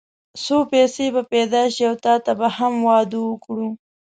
څو پيسې به پيدا شي او تاته به هم واده وکړو.